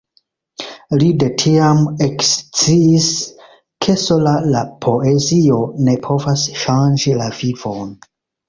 Li de tiam eksciis, ke sola la poezio ne povas ŝanĝi la vivon.